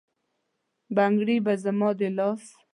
بنګړي به زما د لاس،